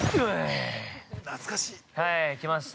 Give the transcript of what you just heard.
はい、来ました。